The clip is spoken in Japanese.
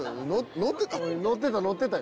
乗ってた乗ってたよ。